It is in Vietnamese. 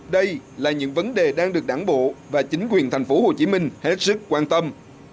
đây là những vấn đề đang được đảng bộ và chính quyền thành phố hồ chí minh hết sức quan tâm